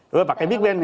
loh pakai big band